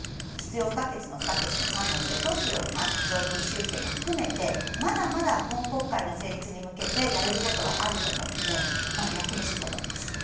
そうであれば必要不可欠の「不可欠」の３文字を落とすような条文修正も含めてまだまだ今国会の成立に向けてやれることはあると思うのでやってほしいと思います。